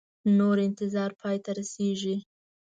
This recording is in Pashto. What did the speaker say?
نور انتظار پای ته رسیږي